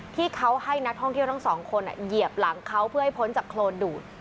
ที่เขาให้นักท่องเที่ยวทั้งสองคนเหยียบหลังเขาเพื่อให้พ้นจากโครนดูด